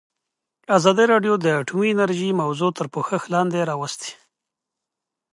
ازادي راډیو د اټومي انرژي موضوع تر پوښښ لاندې راوستې.